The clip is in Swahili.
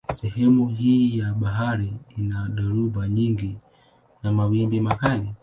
Sehemu hii ya bahari ina dhoruba nyingi na mawimbi makali.